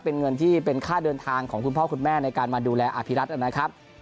เป็นเงินที่เป็นค่าเดินทางของคุณพ่อคุณแม่ในการมาดูแลอภิรัตนะครับ